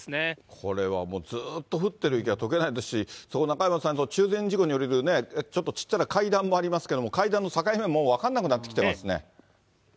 これはもう、ずっと降ってる雪がとけないですし、そこ、中山さん、中禅寺湖に下りるちょっと小さな階段もありますけれども、階段の境目ももう分からなくなってきてますね。